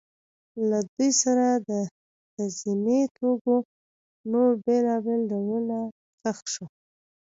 له دوی سره د تزیني توکو نور بېلابېل ډولونه ښخ شوي